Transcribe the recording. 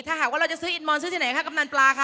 ถ้าหากว่าเราจะซื้ออินมอนซื้อที่ไหนคะกำนันปลาคะ